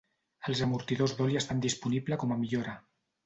Els amortidors d'oli estan disponible com a millora.